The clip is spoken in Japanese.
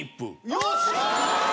よっしゃー！